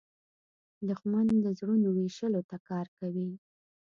دښمن د زړونو ویشلو ته کار کوي